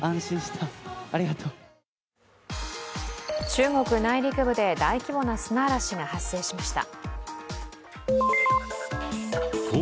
中国内陸部で大規模な砂嵐が発生しました。